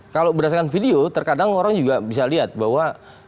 kalau berdasarkan video terkadang orang juga bisa lihat bahwa